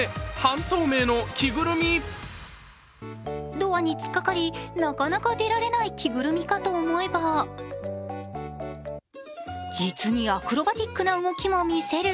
ドアに突っかかり、なかなか出られない着ぐるみかと思えば、実にアクロバティックな動きも見せる。